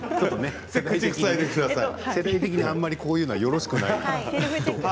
世代的にあんまりこういうのはよろしくない。